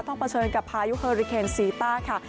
เผชิญกับพายุเฮอริเคนซีต้าค่ะ